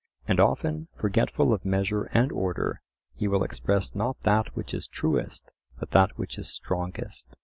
And often, forgetful of measure and order, he will express not that which is truest, but that which is strongest.